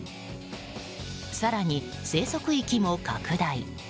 更に、生息域も拡大。